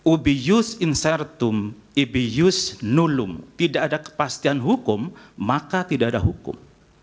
ubius insertum ibius nullum tidak ada kepastian hukum maka tidak ada hukum